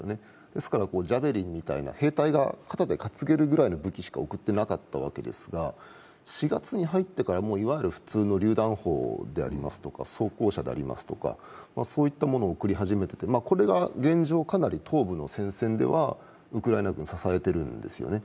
ですから、ジャベリンみたいな兵隊が肩で担げるぐらいの武器しか送ってなかったわけですが、４月に入ってから、もういわゆる普通のりゅう弾砲でありますとか装甲車でありますとかそういったものを送り始めていてこれが現状かなり東部の戦線ではウクライナ軍を支えているんですよね。